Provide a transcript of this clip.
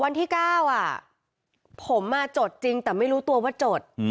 วันที่๙ผมจดจริงแต่ไม่รู้ตัวว่าจด